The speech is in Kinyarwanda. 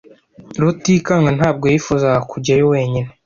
Rutikanga ntabwo yifuzaga kujyayo wenyine.